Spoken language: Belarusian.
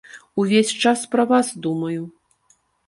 Увесь час пра вас думаю.